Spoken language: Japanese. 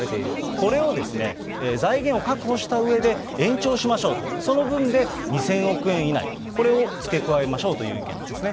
これを財源を確保したうえで、延長しましょうと、その分で２０００億円以内、これを付け加えましょうという意見なんですね。